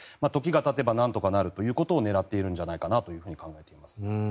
時がたてばなんとかなるということを狙っているんじゃないかなと考えています。